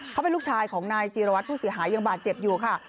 เขาเป็นลูกชายของนายจีรวัตรผู้เสียหายยังบาดเจ็บอยู่ค่ะ